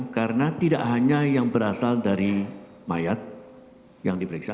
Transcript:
karena tidak hanya yang berasal dari mayat yang diperiksa